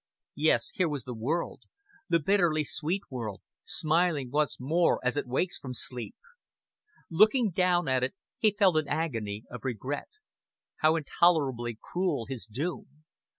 Yes, here was the world the bitterly sweet world, smiling once more as it wakes from sleep. Looking down at it he felt an agony of regret. How intolerably cruel his doom.